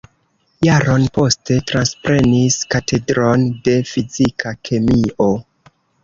Jaron poste transprenis Katedron de Fizika Kemio.